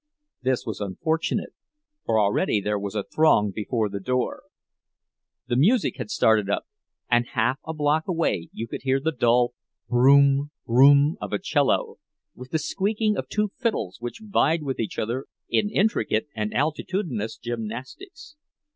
This was unfortunate, for already there was a throng before the door. The music had started up, and half a block away you could hear the dull "broom, broom" of a cello, with the squeaking of two fiddles which vied with each other in intricate and altitudinous gymnastics.